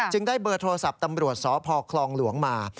ได้เบอร์โทรศัพท์ตำรวจสพคลองหลวงมา